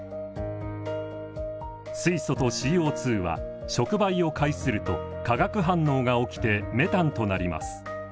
水素とＣＯは触媒を介すると化学反応が起きてメタンとなります。